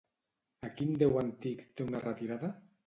A quin déu antic té una retirada?